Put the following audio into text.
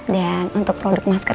dan untuk produk masker